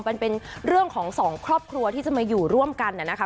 มันเป็นเรื่องของสองครอบครัวที่จะมาอยู่ร่วมกันนะคะ